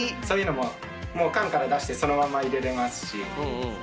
そういうのももう缶から出してそのまま入れれますし。